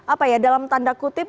apa ya dalam tanda kutip